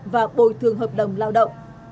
và bồi thường hợp đồng lao động